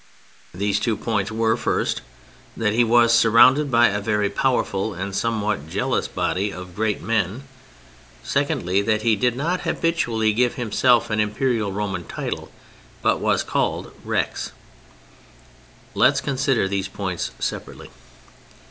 These two points were, first, that he was surrounded by a very powerful and somewhat jealous body of Great Men; secondly, that he did not habitually give himself an imperial Roman title, but was called Rex. Let us consider these points separately.